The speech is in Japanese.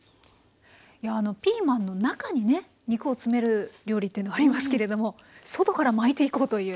ピーマンの中にね肉を詰める料理っていうのはありますけれども外から巻いていこうという。